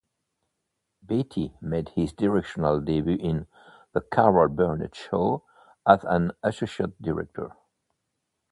Beatty made his directorial debut in "The Carol Burnett Show" as an associate director.